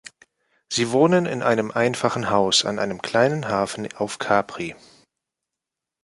Sie wohnen in einem einfachen Haus an einem kleinen Hafen auf Capri.